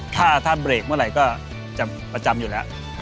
ถ้าเบรกเมื่อไหร่ก็จะประจำอยู่แล้ว